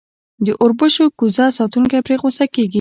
د اوربشو کوزه ساتونکی پرې غصه کېږي.